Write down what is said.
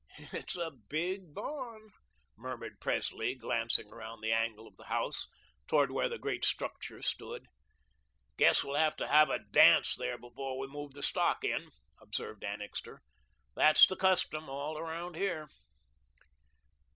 "It's a big barn," murmured Presley, glancing around the angle of the house toward where the great structure stood. "Guess we'll have to have a dance there before we move the stock in," observed Annixter. "That's the custom all around here."